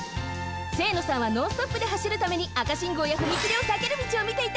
清野さんはノンストップではしるために赤信号や踏切をさける道をみていたのね。